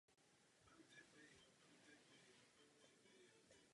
Tím tak odpadá stěhování kompresoru a hadice na stavby nebo montáže.